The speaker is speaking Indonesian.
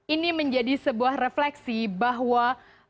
ini menjadi sebuah refleksi bahwa